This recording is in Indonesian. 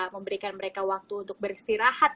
memberikan mereka waktu untuk beristirahat